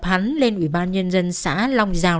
hắn lên ủy ban nhân dân xã long giao